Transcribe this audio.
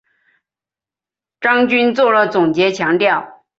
张军作了总结强调